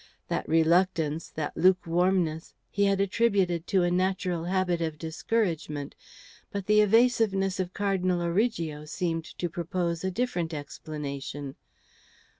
That reluctance, that lukewarmness, he had attributed to a natural habit of discouragement; but the evasiveness of Cardinal Origo seemed to propose a different explanation.